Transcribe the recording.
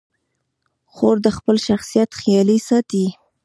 خور د خپل شخصیت خیال ساتي.